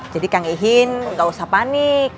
jadi kang ihin gak usah panik